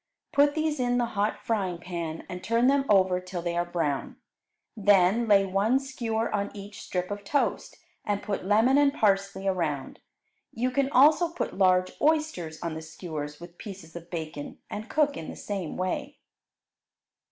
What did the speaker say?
Put these in the hot frying pan and turn them over till they are brown. Then lay one skewer on each strip of toast, and put lemon and parsley around. You can also put large oysters on the skewers with pieces of bacon, and cook in the same way.